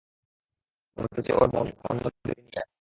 ওতে যে ওর মন অন্য দিকে নিয়ে যায়।